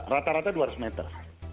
rata rata dua ratus meter